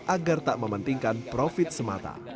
agar tak mementingkan profit semata